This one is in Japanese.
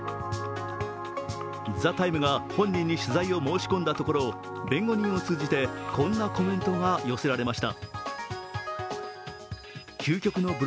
「ＴＨＥＴＩＭＥ，」が本人に取材を申し込んだところ弁護人を通じてこんなコメントが寄せられました。